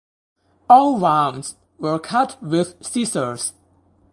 All wounds were cut with scissors.